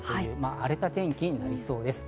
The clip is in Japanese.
荒れた天気となりそうです。